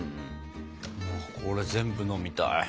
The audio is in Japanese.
これ全部飲みたい。